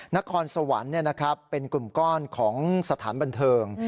นครสวรรค์เป็นกลุ่มก้อนของสถานบันเทิง